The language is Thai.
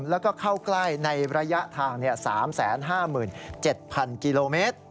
แล้วก็เข้าใกล้ในระยะทาง๓๕๗๐๐กิโลเมตร